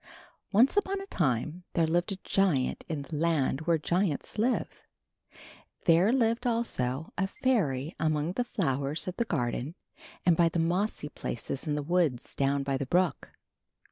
Once upon a time there lived a giant in the land where giants live. There lived, also, a fairy among the flowers of the garden and in the mossy places in the woods down by the brook.